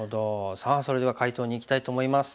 さあそれでは解答にいきたいと思います。